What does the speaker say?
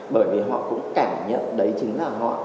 bởi vì họ cũng cảm nhận đấy chính là họ